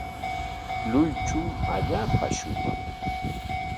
Luychum allaapa shumaq.